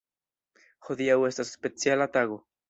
Hodiaŭ estas speciala tago.